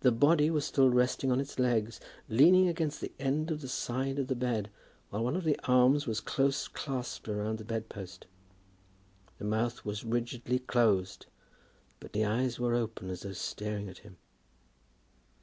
The body was still resting on its legs, leaning against the end of the side of the bed, while one of the arms was close clasped round the bed post. The mouth was rigidly closed, but the eyes were open as though staring at him.